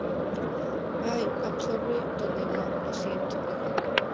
¡ Ay! ¡ observe donde va! ¡ lo siento!